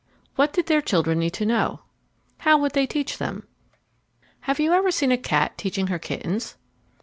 What did their children need to know? How would they teach them? Have you ever seen a cat teaching her kittens?